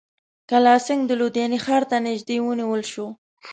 کالاسینګهـ د لودیانې ښار ته نیژدې ونیول شو.